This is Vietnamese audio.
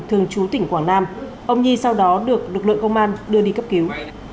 thường chú tỉnh quảng nam ông nhi sau đó được lực lượng công an đưa đi cấp cứu